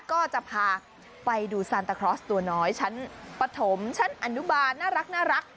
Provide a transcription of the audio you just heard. ก็จะพาไปดูซานตาครอสตัวน้อยชั้นปฐมชั้นอนุบาลน่ารัก